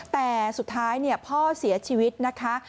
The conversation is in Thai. แต่สุดท้ายพ่อเสียชีวิตนะคะ